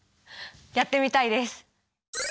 やってみたいです！